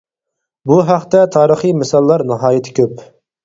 بۇ ھەقتە تارىخىي مىساللار ناھايىتى كۆپ.